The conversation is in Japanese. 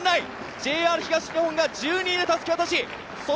ＪＲ東日本が１２位でたすきを渡し